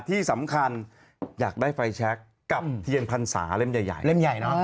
ที่สำคัญอยากได้ไฟแช็คกับเทียงพันศาเล่มใหญ่